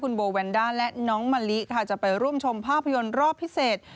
คุณโบแวนด้าและน้องมะลิค่ะจะไปร่วมชมภาพยนตร์รอบพิเศษ